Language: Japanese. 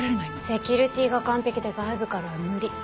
セキュリティーが完璧で外部からは無理。